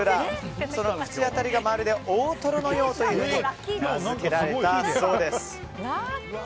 その口当たりがまるで大トロのようというので名づけられたそうです。